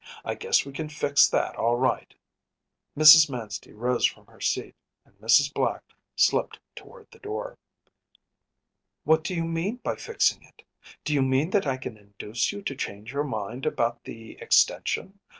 I guess we can fix that all right.‚ÄĚ Mrs. Manstey rose from her seat, and Mrs. Black slipped toward the door. “What do you mean by fixing it? Do you mean that I can induce you to change your mind about the extension?